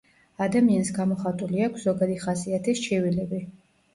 ადამიანს გამოხატული აქვს ზოგადი ხასიათის ჩივილები.